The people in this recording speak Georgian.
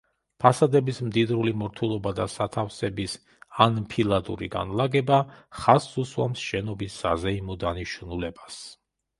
ფასადების მდიდრული მორთულობა და სათავსების ანფილადური განლაგება ხაზს უსვამს შენობის საზეიმო დანიშნულებას.